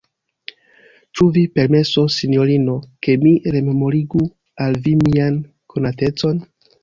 Ĉu vi permesos, sinjorino, ke mi rememorigu al vi mian konatecon?